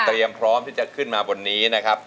พร้อมที่จะขึ้นมาบนนี้นะครับ